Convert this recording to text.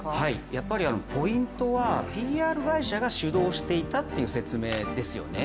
やっぱりポイントはＰＲ会社が主導していたという説明ですよね。